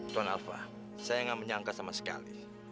tuan alpha saya nggak menyangka sama sekali